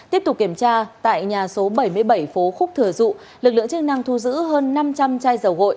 tiếp tục kiểm tra tại nhà số bảy mươi bảy phố khúc thừa dụ lực lượng chức năng thu giữ hơn năm trăm linh chai dầu gội